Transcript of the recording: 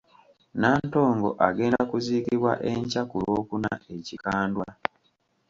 Nantongo agenda kuziikibwa enkya ku Lwokuna e Kikandwa.